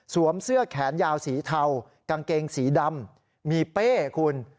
เสื้อแขนยาวสีเทากางเกงสีดำมีเป้คุณ